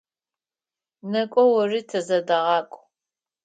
Некӏо ори, тызэдэгъакӏу!